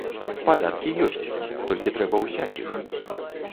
Падаткі ёсць, толькі трэба ўзяць іх.